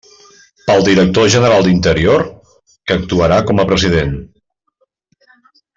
Pel director general d'Interior, que actuarà com a president.